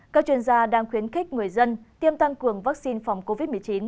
các chuyên gia đang khuyến khích người dân tiêm tăng cường vaccine phòng covid một mươi chín